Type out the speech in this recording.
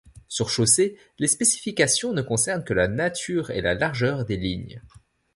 Sur chaussées, les spécifications ne concernent que la nature et la largeur des lignes.